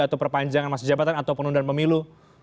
atau perpanjangan masa jabatan atau penundaan pemilu